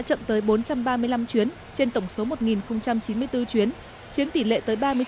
khi đã chậm tới bốn trăm ba mươi năm chuyến trên tổng số một chín mươi bốn chuyến chiếm tỷ lệ tới ba mươi chín tám